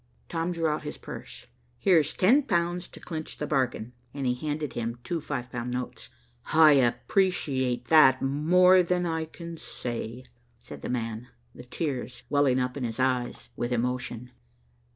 Tom drew out his purse. "Here's ten pounds to clinch the bargain," and he handed him two five pound notes. "I appreciate that more than I can say," said the man, the tears welling up into his eyes with emotion.